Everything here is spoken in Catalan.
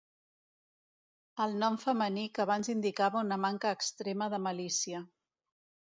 El nom femení que abans indicava una manca extrema de malícia.